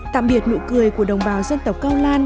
tạm biệt nụ cười của đồng bào dân tộc cao lan